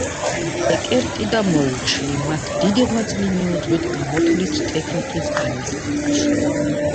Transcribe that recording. ეკერტი და მოუჩლი ,მათ დიდი ღვაწლი მიუძღვით გამოთვლითი ტექნიკის განვითარებაში